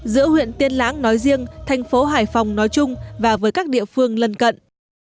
giữa huyện tiên lãng nói riêng thành phố hải phòng nói chung và với các địa phương lân cận